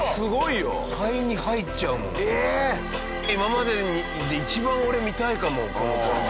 今までで一番俺見たいかもこの光景。